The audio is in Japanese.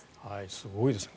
すごいですね。